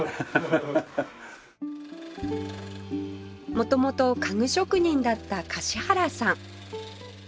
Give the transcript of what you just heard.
元々家具職人だった樫原さん